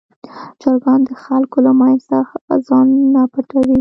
چرګان د خلکو له منځه ځان نه پټوي.